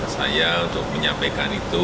saya untuk menyampaikan itu